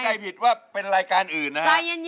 อย่าเชื่อว่าเป็นรายการอื่นนะฮะ